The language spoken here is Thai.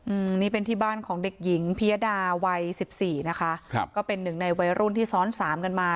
อืมนี่เป็นที่บ้านของเด็กหญิงพิยดาวัยสิบสี่นะคะครับก็เป็นหนึ่งในวัยรุ่นที่ซ้อนสามกันมา